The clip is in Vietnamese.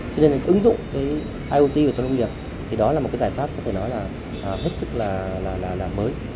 cho nên là cái ứng dụng cái iot vào trong nông nghiệp thì đó là một cái giải pháp có thể nói là hết sức là mới